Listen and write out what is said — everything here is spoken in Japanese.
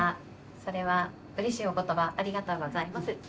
それはうれしいお言葉ありがとうございます。